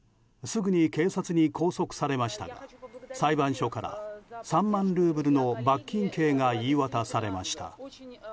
すぐに警察に拘束されましたが裁判所から３万ルーブルの罰金刑が言い渡されました。